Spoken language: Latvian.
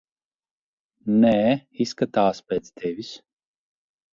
Nē, izskatās pēc tevis.